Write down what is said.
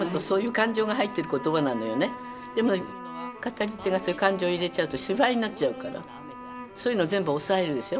でも語り手がそういう感情を入れちゃうと芝居になっちゃうからそういうのを全部抑えるでしょ。